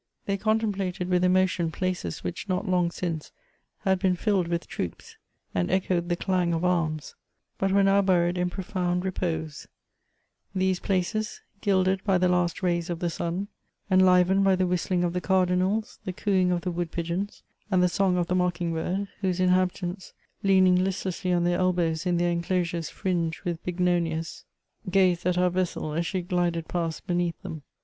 They contemplated with emotion places which not long since had been filled with troops and echoed the clang of arms, but were now buried in profound repose ; these places, gilded by the last rays of the sun, enlivened by the whistling of the carainals, the cooing of the wood pigeons, and the song of the mocking bird, whose inhabi tants, leaning listlessly on their elbows in their enclosures fringed with bignonias, gaxed at our vessel as she glided past beneath them.